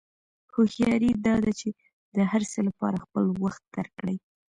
هوښیاري دا ده چې د هر څه لپاره خپل وخت درک کړې.